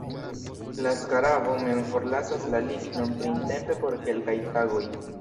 La skarabo mem forlasas la lignon printempe por kelkaj tagoj.